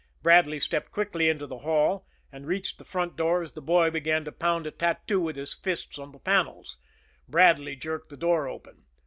Bradley stepped quickly into the hall, and reached the front door as the boy began to pound a tattoo with his fists on the panels. Bradley jerked the door open.